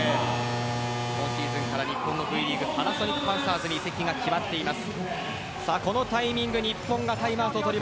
今シーズンから日本のＶリーグパナソニックパンサーズに加入が決まっています。